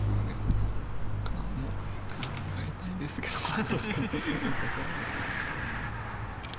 ほかも考えたいですけど分からないですね。